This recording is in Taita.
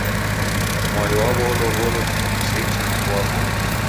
Mwai waw'o walow'olo jingi useichi mndu wa w'omi.